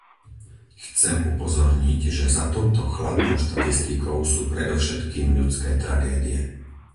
Chcem upozorniť, že za touto chladnou štatistikou sú predovšetkým ľudské tragédie.